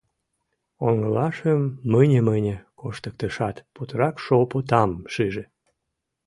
Оҥылашым мыне-мыне коштыктышат, путырак шопо тамым шиже.